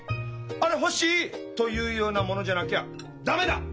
「あれ欲しい！」というようなものじゃなきゃダメだ！